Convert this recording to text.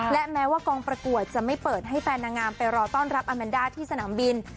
และแม้ว่ากองประกวดจะไม่เปิดให้แฟนนางงามไปรอต้อนรับอาแมนด้าที่สนามบิน